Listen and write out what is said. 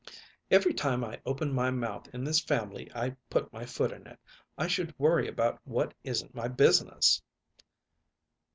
"Every time I open my mouth in this family I put my foot in it. I should worry about what isn't my business!"